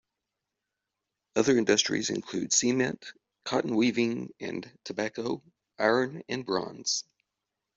Other industries include cement, cotton weaving, and tobacco, iron and bronze.